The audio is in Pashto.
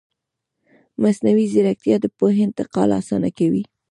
مصنوعي ځیرکتیا د پوهې انتقال اسانه کوي.